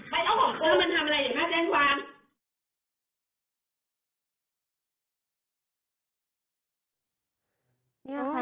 ไปต้องบอกเธอมันทำอะไรอย่างนี้นะแจ้งความ